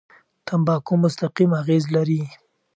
تمباکو مستقیم اغېز لري.